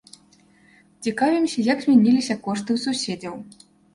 Цікавімся, як змяніліся кошты ў суседзяў.